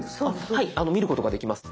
はい見ることができます。